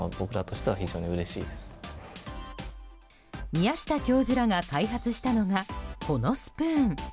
宮下教授らが開発したのがこのスプーン。